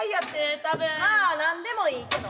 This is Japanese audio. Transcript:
まあ何でもいいけど。